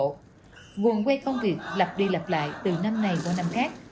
nguồn quay công việc lặp đi lặp lại từ năm này qua năm khác